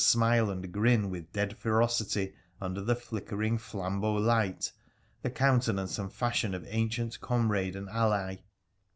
smile and grin with dead ferocity under the flickering flam beau light, the countenance and fashion of ancient comrade and ally.